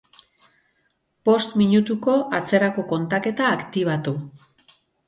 Bost minutuko atzerako kontaketa aktibatu.